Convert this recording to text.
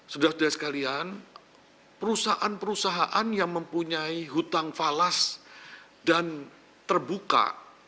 saudara saudara sekalian perusahaan perusahaan yang mempunyai hutang falas dan terbuka